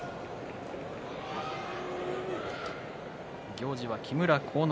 行司は木村晃之